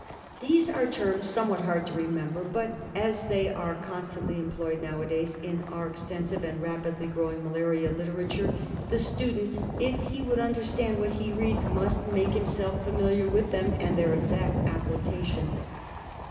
These are terms somewhat hard to remember, but as they are constantly employed nowadays in our exten sive and rapidly growing malaria literature, the student, if he would understand what he reads, must make him self familiar with them and their exact application.